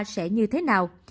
sẽ như thế nào